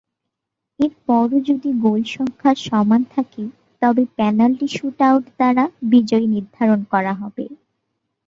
এরপরও যদি গোল সংখ্যা সমান থাকে তবে পেনাল্টি শুট-আউট দ্বারা বিজয়ী নির্ধারণ করা হবে।